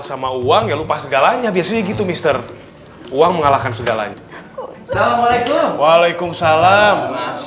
sama uang ya lupa segalanya biasanya gitu mr uang mengalahkan segalanya assalamualaikum waalaikumsalam